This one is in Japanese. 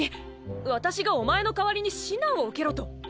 私がおまえの代わりに指南を受けろと？